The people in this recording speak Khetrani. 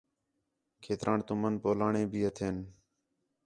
کھیتران تُمن پولاݨے بھی ہتھین